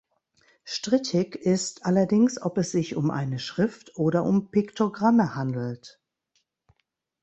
Strittig ist allerdings, ob es sich um eine Schrift oder um Piktogramme handelt.